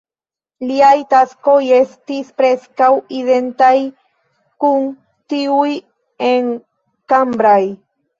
Liaj taskoj estis preskaŭ identaj kun tiuj en Cambrai.